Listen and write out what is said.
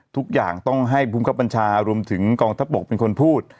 ทุกอย่างต้องให้ภูมิคับบัญชารวมถึงกองทัพบกเป็นคนพูด